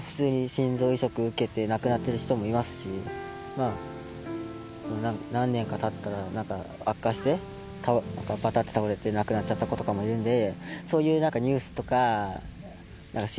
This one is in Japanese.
まあ普通に何年か経ったらなんか悪化してバタッて倒れて亡くなっちゃった子とかもいるので。